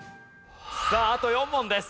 さああと４問です。